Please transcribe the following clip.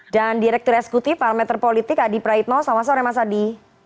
dan direktur esekutif almeter politik adi praitno selamat sore mas adi